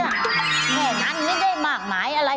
เหมือนกันไม่ได้หมากหมายอะไร